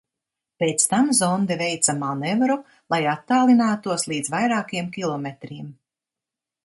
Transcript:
Pēc tam zonde veica manevru, lai attālinātos līdz vairākiem kilometriem.